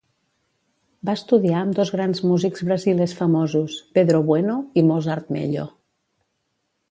Va estudiar amb dos grans músics brasilers famosos: Pedro Bueno i Mozart Mello.